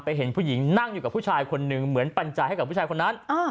เห็นผู้หญิงนั่งอยู่กับผู้ชายคนหนึ่งเหมือนปัญญาให้กับผู้ชายคนนั้น